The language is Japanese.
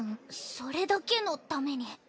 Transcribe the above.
それだけのために？